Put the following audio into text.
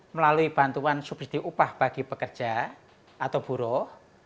melalui bantuan subsidi upah bagi pekerja atau buruh